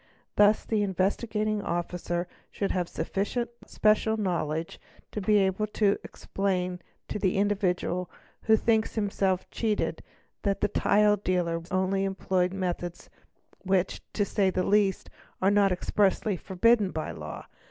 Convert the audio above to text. Thus the Investigating Officer should have sufficient special know ledge to be able to explain to the individual who thinks himself cheated OD ie nod that the dealer has only employed methods which, to say the least, are not expressly forbidden by the law.